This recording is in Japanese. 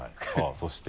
そして。